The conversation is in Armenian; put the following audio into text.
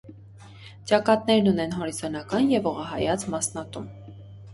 Ճակատներն ունեն հորիզոնական և ուղղահայաց մասնատում։